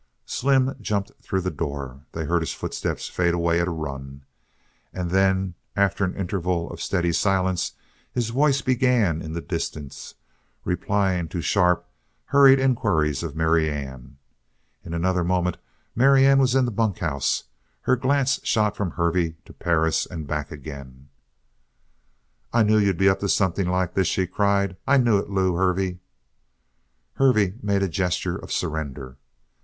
Slim jumped through the door. They heard his footsteps fade away at a run. And then, after an interval of steady silence, his voice began in the distance, replying to sharp, hurried inquiries of Marianne. In another moment Marianne was in the bunkhouse. Her glance shot from Hervey to Perris and back again. "I knew you'd be up to something like this!" she cried. "I knew it, Lew Hervey!" Hervey made a gesture of surrender.